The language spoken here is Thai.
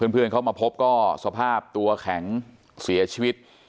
เพื่อนเขามาพบก็สภาพตัวแข็งเสียชีวิต